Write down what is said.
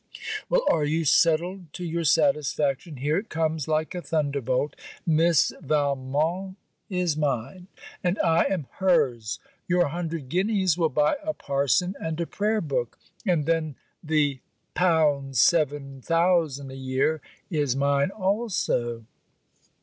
Well are you settled to your satisfaction? Here it comes like a thunderbolt! Miss Valmont is mine, and I am her's your hundred guineas will buy a parson and a prayer book; and then the L.7000 a year is mine also.